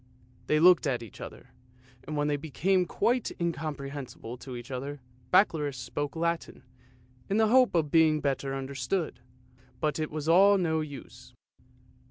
They looked at each other, and when they became quite incomprehensible to each other, Baccalaureus spoke Latin, in the hope of being better understood, but it was all of no use.